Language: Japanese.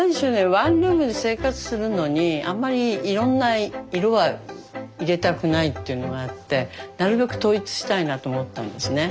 ワンルームで生活するのにあんまりいろんな色は入れたくないっていうのがあってなるべく統一したいなと思ったんですね。